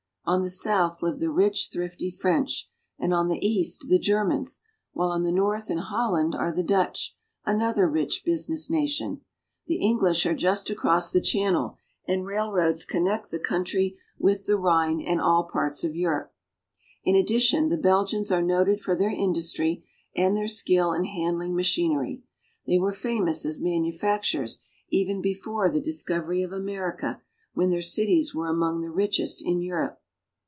On the south live the rich, thrifty French, and on the east the Germans, while on the north in Holland are the Dutch, another rich business nation. The English are just across the Channel, and railroads connect the country with the Rhine and all parts of Europe. In addition the Belgians are noted for their industry and their skill in handling machinery. They were famous as manufacturers even before the discovery of America, when their cities were among the richest of Europe.